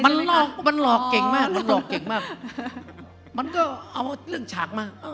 มันหลอกเก่งมากมันก็เอาเรื่องฉากมา